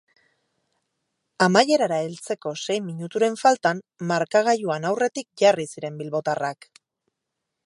Amaierara heltzeko sei minuturen faltan markagailuan aurretik jarri ziren bilbotarrak.